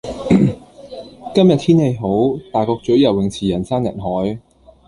今日天氣好，大角咀游泳池人山人海。